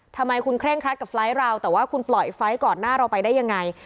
ทำไมคุณเคร่งครัดกับไฟล์เราแต่ว่าคุณปล่อยไฟล์ก่อนหน้าเราไปได้ยังไง